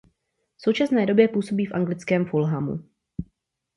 V současné době působí v anglickém Fulhamu.